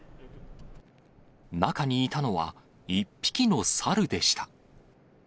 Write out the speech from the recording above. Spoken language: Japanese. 中にいたのは、１匹の猿でした。